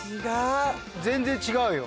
全然違うよ。